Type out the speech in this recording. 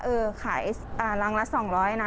เออขายรังรัฐสองร้อยนะ